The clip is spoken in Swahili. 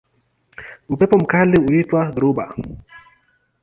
Upepo mkali huitwa dhoruba.